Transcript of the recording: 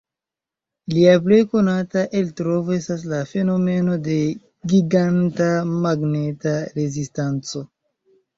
Lia plej konata eltrovo estas la fenomeno de Giganta Magneta Rezistanco.